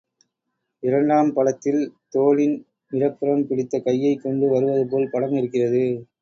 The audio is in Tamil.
இரண்டாம் படத்தில் தோளின் இடப்புறம் பிடித்த கையைக் கொண்டு வருவது போல் படம் இருக்கிறது.